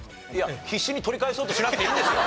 必死に取り返そうとしなくていいんですよ。